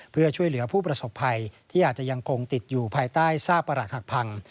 เพื่อช่วยเหลือผู้ประสบภัยที่อาจจะยังคงติดอยู่ภายใต้ซากประหลักหักพัง